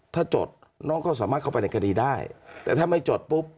ถ้าจดน้องก็สามารถเข้าไปในคดีได้แต่ถ้าไม่จดปุ๊บ